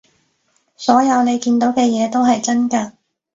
所有你見到嘅嘢都係真㗎